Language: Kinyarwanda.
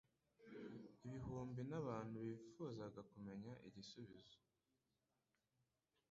Ibihumbi n'abantu bifuzaga kumenya igisubizo.